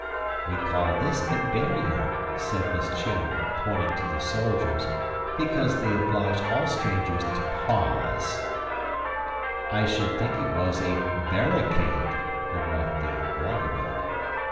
"We call this the bearier," said Miss Chim, pointing to the soldiers, "because they oblige all strangers to paws." "I should think it was a bearicade," remarked the Woggle Bug.